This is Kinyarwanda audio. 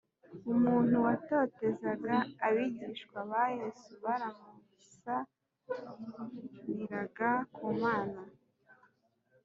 umuntu watotezaga abigishwa ba Yezu baramusabniraga ku Mana